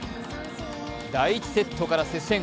第１セットから接戦。